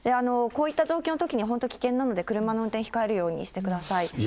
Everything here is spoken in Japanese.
こういった状況のときに、本当危険なので、車の運転、控えるようにしてください。